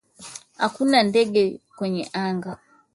Hakuna ndege kwenye anga.